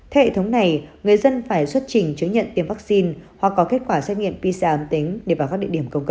theo hệ thống này người dân phải xuất trình chứng nhận tiêm vaccine hoặc có kết quả xét nghiệm pcr ấm tính